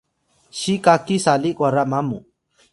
siy kaki sali kwara mamu